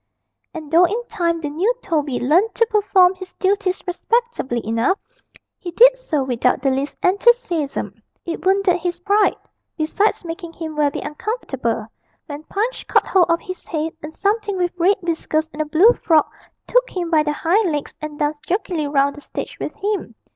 And though in time the new Toby learnt to perform his duties respectably enough, he did so without the least enthusiasm: it wounded his pride besides making him very uncomfortable when Punch caught hold of his head, and something with red whiskers and a blue frock took him by the hind legs, and danced jerkily round the stage with him.